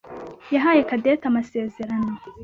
yahaye Cadette amasezerano.